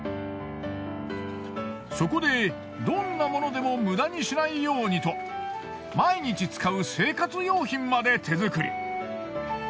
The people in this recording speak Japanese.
そこでどんなものでも無駄にしないようにと毎日使う生活用品まで手作り。